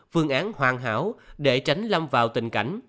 phương án hoàn hảo để tránh lâm vào tình cảnh